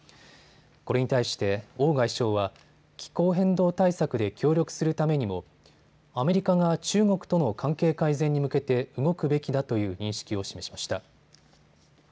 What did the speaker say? これに対して王外相は気候変動対策で協力するためにもアメリカが中国との関係改善に向けて動くべきだという認識を示しました。